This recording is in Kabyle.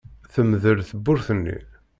Temdel tewwurt-nni.